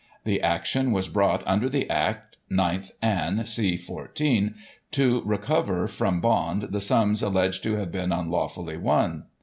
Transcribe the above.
The action was brought under the Act 9th Anne, c 14, to recover from Bond the sums alleged to have been unlawfully won.